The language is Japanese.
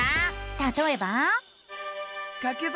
たとえば。